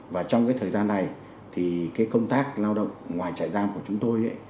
và trong cái thời gian này thì cái công tác lao động ngoài trại giam của chúng tôi